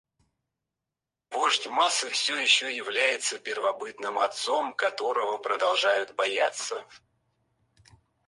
Вождь массы все еще является первобытным отцом, которого продолжают бояться.